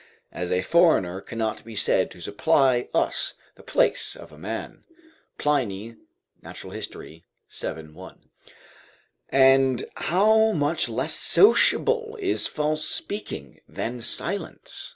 ["As a foreigner cannot be said to supply us the place of a man." Pliny, Nat. Hist. vii. I] And how much less sociable is false speaking than silence?